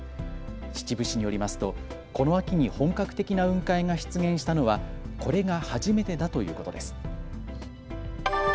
秩父市によりますと、この秋に本格的な雲海が出現したのはこれが初めてだということです。